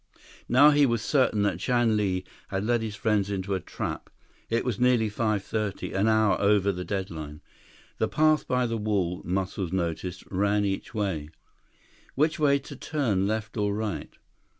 Now he was certain that Chan Li had led his friends into a trap. It was nearly 5:30—an hour over the deadline. The path by the wall, Muscles noticed, ran each way. Which way to turn, left or right?